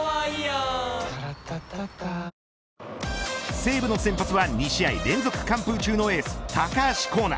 西武の先発は２試合連続完封中のエース高橋光成。